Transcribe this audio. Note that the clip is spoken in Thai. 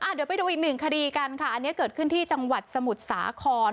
เดี๋ยวไปดูอีกหนึ่งคดีกันค่ะอันนี้เกิดขึ้นที่จังหวัดสมุทรสาคร